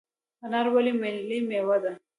انار ولې ملي میوه ده؟